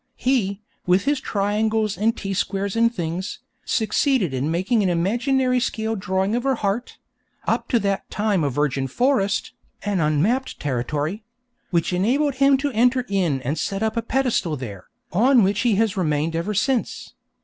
He, with his triangles and T squares and things, succeeded in making an imaginary scale drawing of her heart (up to that time a virgin forest, an unmapped territory), which enabled him to enter in and set up a pedestal there, on which he has remained ever since.